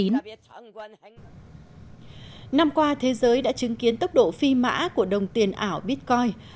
năm qua thế giới đã chứng kiến tốc độ phi mã của đồng tiền ảo bitcoin